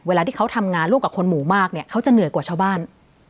เวลาที่เขาทำงานร่วมกับคนหมู่มากเนี่ยเขาจะเหนื่อยกว่าชาวบ้าน